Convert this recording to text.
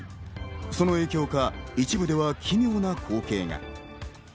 その影響か、一部では奇妙な光景が。